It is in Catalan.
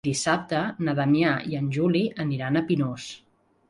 Dissabte na Damià i en Juli aniran a Pinós.